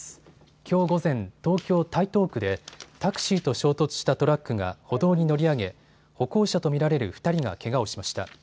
きょう午前、東京台東区でタクシーと衝突したトラックが歩道に乗り上げ歩行者と見られる２人がけがをしました。